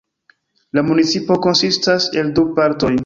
La municipo konsistas el du partoj.